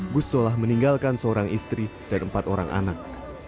gus solah meninggalkan seorang istri dan empat orang anak